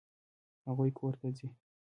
هغوی کور ته ځي.